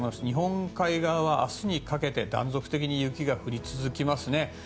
日本海側は明日にかけて断続的に雪が降り続けますね。